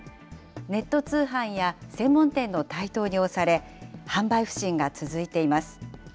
ネット通販や専門店の台頭に押され、販売不振が続いています。